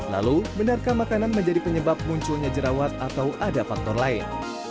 lalu benarkah makanan menjadi penyebab munculnya jerawat atau ada faktor lain